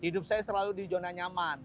hidup saya selalu di zona nyaman